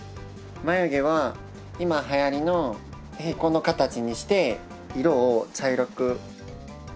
眉毛は今流行りの平行の形にして色を茶色く。